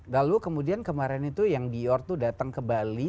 lalu kemudian kemarin itu yang dior tuh datang ke bali